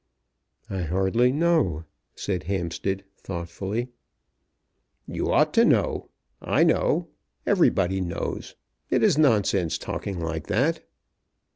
"I hardly know," said Hampstead, thoughtfully. "You ought to know. I know. Everybody knows. It is nonsense talking like that."